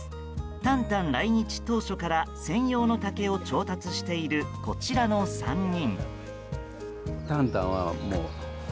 タンタン来日当初から専用の竹を調達しているこちらの３人。